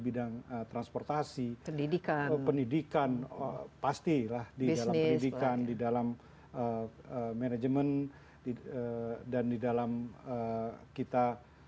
bidang transportasi pendidikan pastilah di dalam pendidikan di dalam manajemen dan di dalam kita